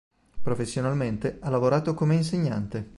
Professionalmente, ha lavorato come insegnante.